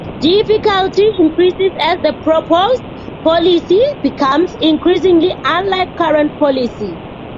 Difficulty increases as the proposed policy becomes increasingly unlike current policy.